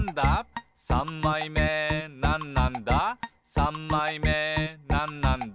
「さんまいめなんなんだ？